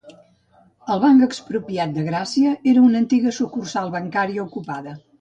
El ‘Banc Expropiat’ de Gràcia era una antiga sucursal bancària ocupada.